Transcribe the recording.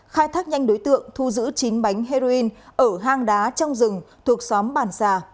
khai thác nhanh đối tượng thu giữ chín bánh heroin ở hang đá trong rừng thuộc xóm bản xà